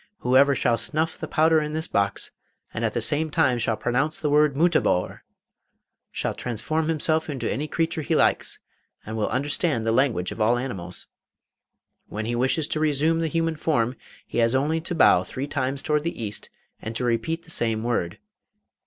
Whoever shall snuff the powder in this box, and at the same time shall pronounce the word "Mutabor!" can transform himself into any creature he likes, and will understand the language of all animals. When he wishes to resume the human form, he has only to bow three times towards the east, and to repeat the same word.